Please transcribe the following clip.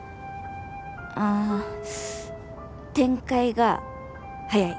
ああ展開が早い。